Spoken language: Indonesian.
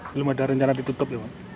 belum ada rencana ditutup